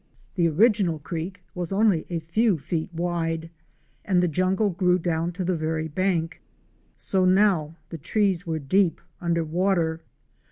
The original creek was only a few feet wide and the jungle grew down to the very bank. So now the trees were deep under water.